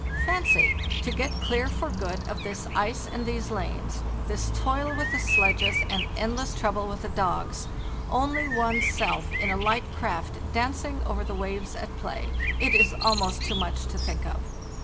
Fancy, to get clear for good of this ice and these lanes, this toil with the sledges and endless trouble with the dogs, only one's self in a hght craft danc ing over the waves at play! It is almost too much to think of.